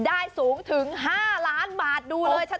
ได้สูงถึง๕ล้านบาทดูเลยชัด